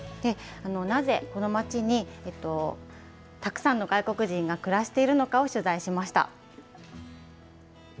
なぜこの街にたくさんの外国人が暮らしているのかを取材しました。